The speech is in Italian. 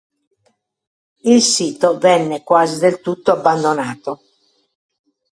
Il sito venne quasi del tutto abbandonato.